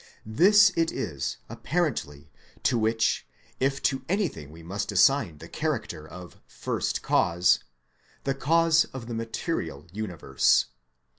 This it is apparently to which if to anything we must assign the character of First Cause, the cause of the material universe.